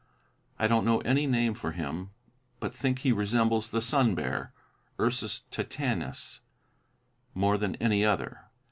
I don't know any name for him, but think he resembles the "sun bear" (Ursus Titanus) more than any other.